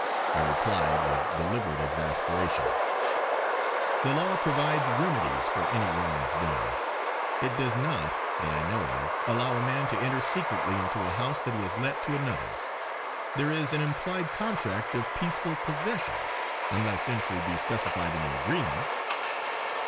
I replied with deliberate exasperation: "The law provides remedies for any wrongs done. It does not, that I know of, allow a man to enter secretly into a house that he has let to another. There is an implied contract of peaceful possession, unless entry be specified in the agreement."